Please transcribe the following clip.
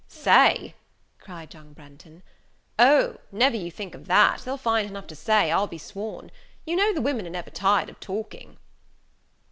"Say!" cried young Branghton; "O, never you think of that, they'll find enough to say, I'll be sworn. You know the women are never tired of talking."